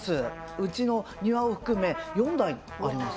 うちの庭を含め４台あります